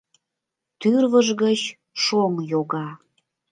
Тӱрвыж гыч шоҥ йога.